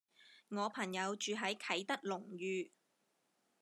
我朋友住喺啟德龍譽